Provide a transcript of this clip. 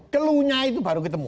cluenya itu baru ketemu